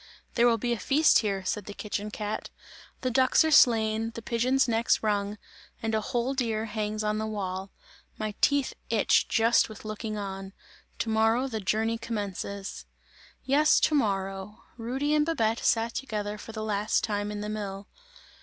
"There will be a feast here," said the kitchen cat, "the ducks are slain, the pigeons necks wrung, and a whole deer hangs on the wall. My teeth itch just with looking on! To morrow the journey commences!" Yes, to morrow! Rudy and Babette sat together for the last time in the mill.